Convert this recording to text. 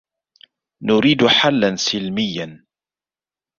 نريد حلاً سلمياً.